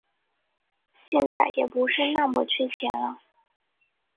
现在也不是那么缺钱了